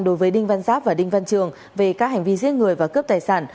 đối với đinh văn giáp và đinh văn trường về các hành vi giết người và cướp tài sản